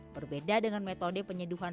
berbeda dengan metode penyeduhan